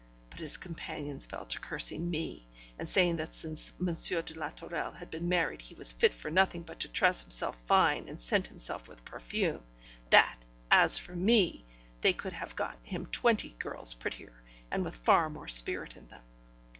But his companions fell to cursing me, and saying that since M. de la Tourelle had been married he was fit for nothing but to dress himself fine and scent himself with perfume; that, as for me, they could have got him twenty girls prettier, and with far more spirit in them.